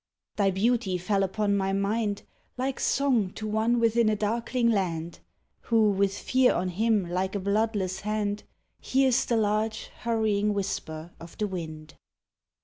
Thy beauty fell upon my mind Like song to one within a darkling land Who, with fear on him like a bloodless hand, Hears the large, hurrying whisper of the wind.